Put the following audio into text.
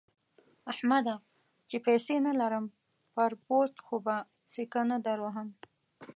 احمده! چې پيسې نه لرم؛ پر پوست خو به سکه نه دروهم.